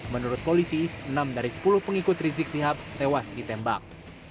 menurut polisi enam dari sepuluh pengikut rizik sihab tewas ditembak